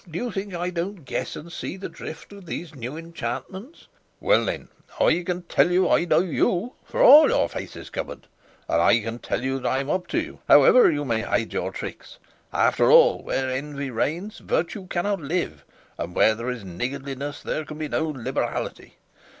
Do you think I don't guess and see the drift of these new enchantments? Well then, I can tell you I know you, for all your face is covered, and I can tell you I am up to you, however you may hide your tricks. After all, where envy reigns virtue cannot live, and where there is niggardliness there can be no liberality.